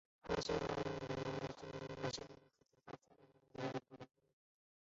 琥珀光学纳米陶瓷膜是采用纳米技术和陶瓷材质加工制作的一种玻璃膜。